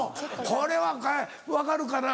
これは分かるかな？